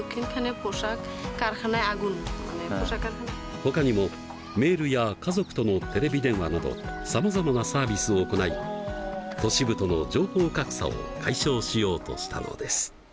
ほかにもメールや家族とのテレビ電話などさまざまなサービスを行い都市部との情報格差を解消しようとしたのです。